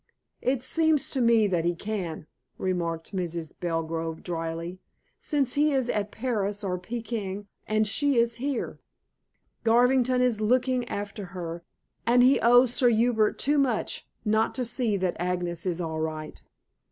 "It seems to me that he can," remarked Mrs. Belgrove dryly. "Since he is at Paris or Pekin and she is here." "Garvington is looking after her, and he owes Sir Hubert too much, not to see that Agnes is all right."